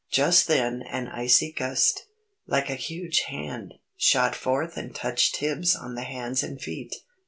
Just then an icy gust, like a huge hand, shot forth and touched Tibbs on the hands and feet.